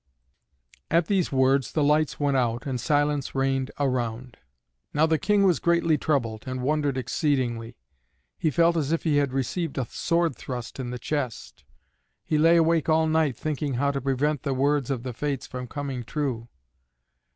At these words the lights went out and silence reigned around. Now the King was greatly troubled, and wondered exceedingly; he felt as if he had received a sword thrust in the chest. He lay awake all night thinking how to prevent the words of the Fates from coming true.